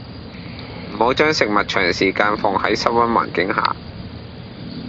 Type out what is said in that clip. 唔好將食物長時間放喺室溫環境下